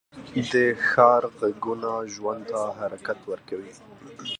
د ښار غږونه ژوند ته حرکت ورکوي